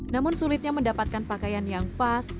namun sulitnya mendapatkan pakaian yang pas